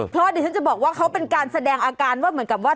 เพราะดิฉันจะบอกว่าเขาเป็นการแสดงอาการว่าเหมือนกับว่า